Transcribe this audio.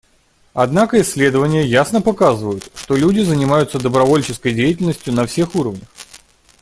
Однако исследования ясно показывают, что люди занимаются добровольческой деятельностью на всех уровнях.